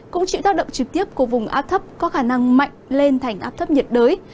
cũng chịu tác động trực tiếp của vùng áp thấp có khả năng mạnh lên thành áp thấp nhiệt đới